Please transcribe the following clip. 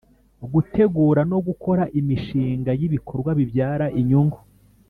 Gutegura no gukora imishinga y’ibikorwa bibyara inyungu